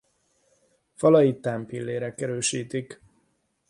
Falait támpillérek erősítik.